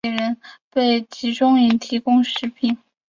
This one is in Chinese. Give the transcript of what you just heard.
此外还有一些当地人为集中营提供食品。